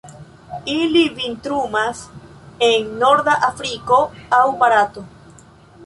Ili vintrumas en norda Afriko aŭ Barato.